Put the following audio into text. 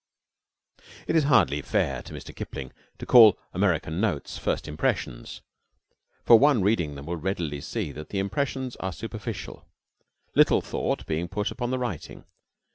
It is hardly fair to Mr. Kipling to call "American Notes" first impressions, for one reading them will readily see that the impressions are superficial, little thought being put upon the writing.